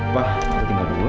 wah harus tinggal dulu ya